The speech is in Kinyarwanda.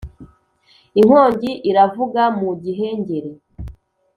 Inkongi iravuga mu gihengeri